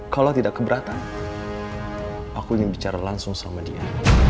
kalau tidak keberatan aku ingin bicara langsung sama dia